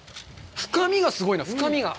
深みがすごいなぁ、深みが。